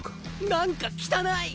なんか汚い！